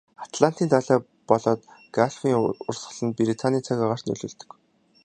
Атлантын далай болоод Галфын урсгал нь Британийн цаг агаарт нөлөөлдөг.